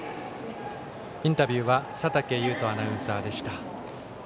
インタビューは佐竹祐人アナウンサーでした。